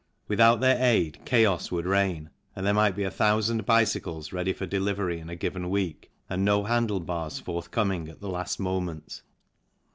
Without their aid chaos would reign, and there might be 1,000 bicycles ready for delivery in a given week and no handle bars forthcoming at the last moment.